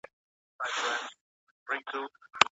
د نړیوالو ډیپلوماټانو لخوا د افغانانو حقونه نه تایید کیږي.